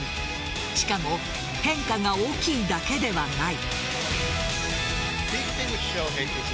しかも変化が大きいだけではない。